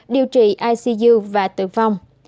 điều trị icu và tử vong